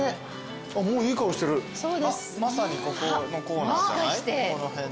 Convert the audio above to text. まさにここのコーナーじゃない？